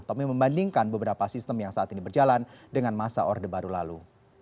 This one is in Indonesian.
tommy membandingkan beberapa sistem yang saat ini berjalan dengan masa orde baru lalu